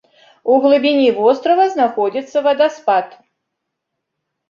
У глыбіні вострава знаходзіцца вадаспад.